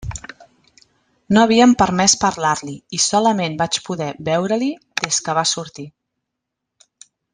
No havien permès parlar-li i solament vaig poder veure-li des que va sortir.